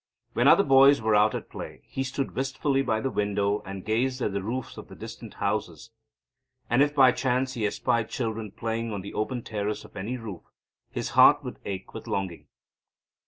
When other boys were out at play, he stood wistfully by the window and gazed at the roofs of the distant houses. And if by chance he espied children playing on the open terrace of any roof, his heart would ache with longing.